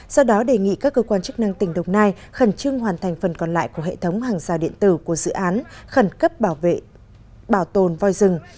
do đó đề nghị các cơ quan chức năng tỉnh đồng nai khẩn trương hoàn thành phần còn lại của hệ thống hàng rào điện tử của dự án khẩn cấp bảo tồn voi rừng